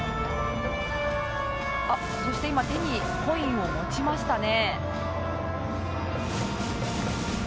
そして今手にコインを持ちましたね。